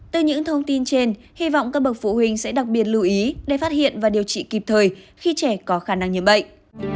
từ những thông tin trên hy vọng các bậc phụ huynh sẽ đặc biệt lưu ý để phát hiện và điều trị kịp thời khi trẻ có khả năng nhiễm bệnh